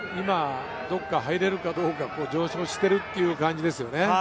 どこか入れるか上昇しているという感じですね。